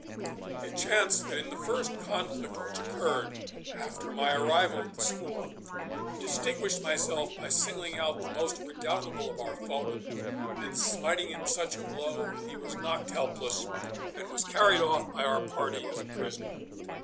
It chanced that in the first conflict which occurred after my arrival at the school I distinguished myself by singling out the most redoubtable of our foemen, and smiting him such a blow that he was knocked helpless and was carried off by our party as a prisoner.